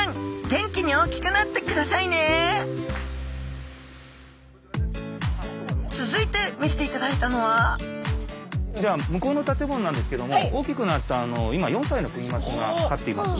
元気に大きくなってくださいね続いて見せていただいたのはじゃあ向こうの建物なんですけども大きくなった今４歳のクニマスを飼っています。